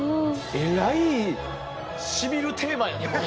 えらいしみるテーマやねこれ。